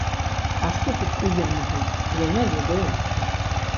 А што тут прыемнага, я не ведаю.